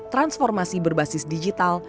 transformasi berbasis digital